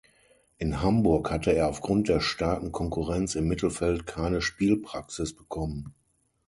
In Hamburg hatte er aufgrund der starken Konkurrenz im Mittelfeld keine Spielpraxis bekommen.